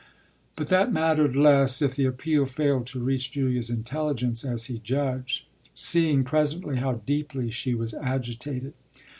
But that mattered less if the appeal failed to reach Julia's intelligence, as he judged, seeing presently how deeply she was agitated.